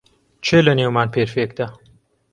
کێ لەنێومان پێرفێکتە؟